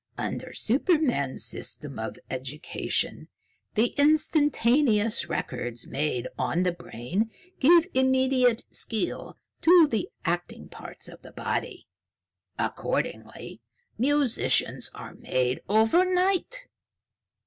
Under superman's system of education, the instantaneous records made on the brain give immediate skill to the acting parts of the body. Accordingly, musicians are made over night."